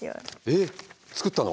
えっ作ったの？